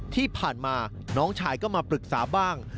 ที่ผ่านมาน้องชายก็มาปรึกษาบ้าง